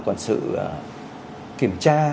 còn sự kiểm tra